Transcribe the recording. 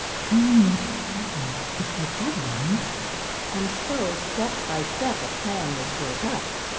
("Tell me your plan, if you have one.") And so step by step a plan was built up.